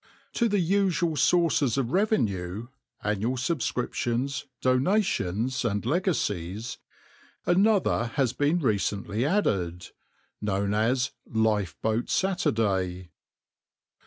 To the usual sources of revenue annual subscriptions, donations, and legacies another has been recently added, known as "Lifeboat Saturday."